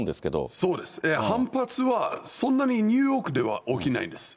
そうですね、反発はそんなにニューヨークでは起きないです。